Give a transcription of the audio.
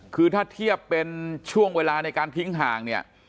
คือถ้าเทียบเป็นช่วงเวลาในการทิ้งห่างเนี่ย